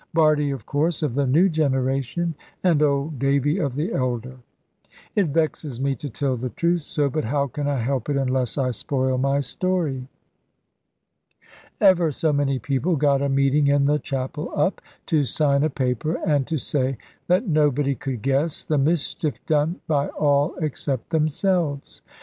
Bardie, of course, of the new generation; and old Davy of the elder. It vexes me to tell the truth so. But how can I help it, unless I spoil my story? Ever so many people got a meeting in the chapel up, to sign a paper, and to say that nobody could guess the mischief done by all except themselves.